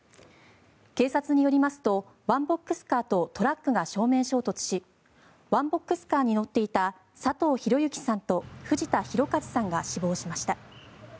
警察によりますとワンボックスカーとトラックが正面衝突しワンボックスカーに乗っていた佐藤弘幸さんと藤田寛一さんが死亡しました。